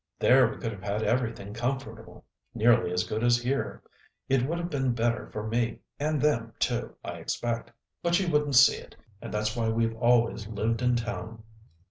There we could have had everything comfortable; nearly as good as here. It would have been better for me, and them too, I expect. But she wouldn't see it, and that's why we've always lived in town."